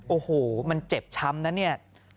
โอ้โหมันเจ็บช้ำนะเนี่ย